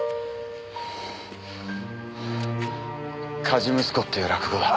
『火事息子』っていう落語だ。